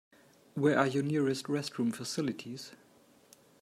Where are your nearest restroom facilities?